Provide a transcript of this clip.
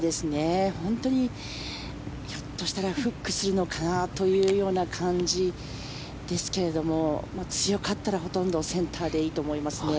本当にひょっとしたらフックするのかなというような感じですけども強かったらほとんどセンターでいいと思いますね。